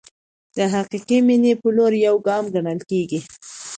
د حقیقي مینې په لور یو ګام ګڼل کېږي.